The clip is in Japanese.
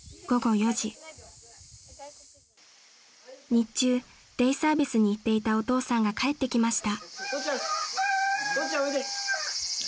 ［日中デイサービスに行っていたお父さんが帰ってきました］